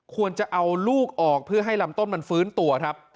ควรจะเอาลูกออกเพื่อให้ลำต้นมันฟื้นตัวครับ